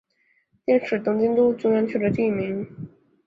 佃是东京都中央区的地名。